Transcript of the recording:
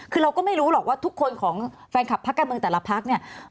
คือเราก็ไม่รู้หรอกว่าทุกคนของแฟนคลับพักการเมืองแต่ละพักเนี่ย